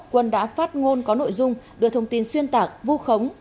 quân đã phát ngôn có nội dung đưa thông tin xuyên tạc vu khống